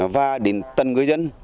và đến tầng người dân